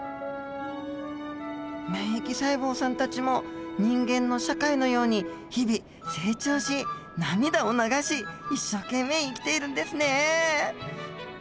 免疫細胞さんたちも人間の社会のように日々成長し涙を流し一生懸命生きているんですね！